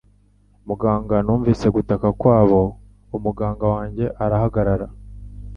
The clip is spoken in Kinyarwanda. Muganga numvise gutaka kwabo umuganga wanjye arahagarara